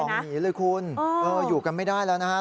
ของหนีเลยคุณอยู่กันไม่ได้แล้วนะฮะ